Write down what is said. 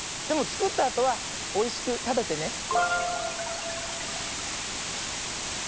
でもつくったあとはおいしくたべてね。